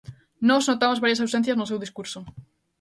Nós notamos varias ausencias no seu discurso.